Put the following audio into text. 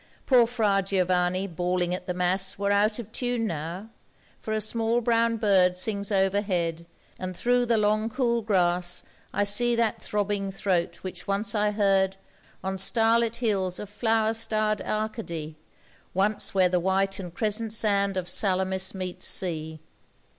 Poor Fra Giovanni bawling at the Mass Were out of tune now, for a small brown bird Sings overhead, and through the long cool grass I see that throbbing throat which once I heard On starlit hills of flower starred Arcady, Once where the white and crescent sand of Salamis meets sea.